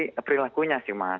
lagi perilakunya sih mas